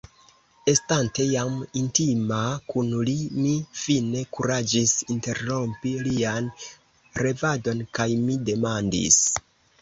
Estante jam intima kun li, mi fine kuraĝis interrompi lian revadon kaj mi demandis: